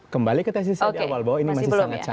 kembali ke tesisnya di awal bahwa ini masih sangat cair